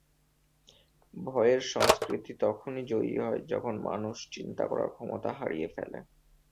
ভয়ের সংস্কৃতি তখনই জয়ী হয়, যখন মানুষ চিন্তা করার ক্ষমতা হারিয়ে ফেলে।